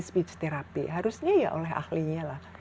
speech therapy harusnya ya oleh ahlinya lah